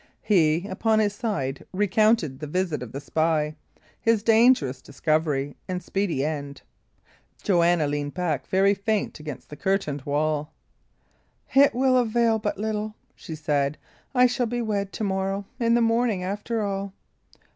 He, upon his side, recounted the visit of the spy, his dangerous discovery, and speedy end. Joanna leaned back very faint against the curtained wall. "It will avail but little," she said. "I shall be wed to morrow, in the morning, after all!"